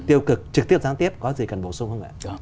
tiêu cực trực tiếp gián tiếp có gì cần bổ sung không ạ